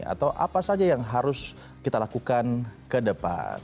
atau apa saja yang harus kita lakukan ke depan